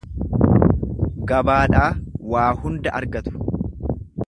Gabaadhaa waa hunda argatu.